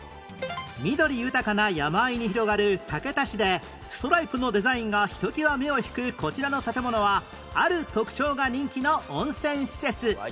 緑豊かな山あいに広がる竹田市でストライプのデザインがひときわ目を引くこちらの建物はある特徴が人気の温泉施設